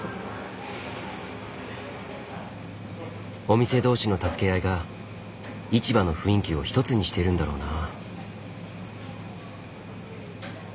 お店同士の助け合いが市場の雰囲気を一つにしているんだろうな。